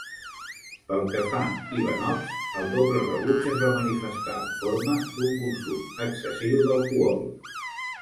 Pel que fa Ivanox, el doble rebuig es va manifestar en forma d'un consum excessiu d'alcohol.